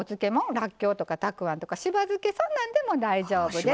らっきょうとかたくあんとかしば漬けさん何でも大丈夫です。